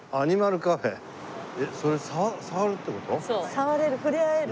触れる触れ合える。